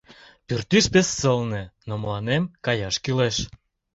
Пӱртӱс пеш сылне, но мыланем каяш кӱлеш.